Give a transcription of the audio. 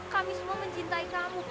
kami semua mencintai kamu